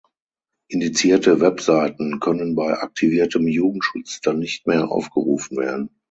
Indizierte Webseiten können bei aktiviertem Jugendschutz dann nicht mehr aufgerufen werden.